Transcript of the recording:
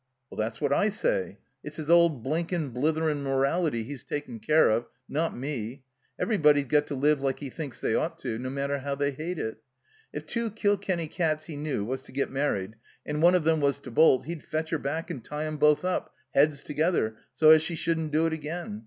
"Well, that's what I say. It's his old blinkin', bletherin' morality he's takin' care of, not me. Everybody's got to live like he thinks they ought to, no matter how they hate it. If two Kilkenny cats he knew was to get married and one of them was to bolt he'd fetch her back and tie 'em both up, heads together, so as she shouldn't do it again.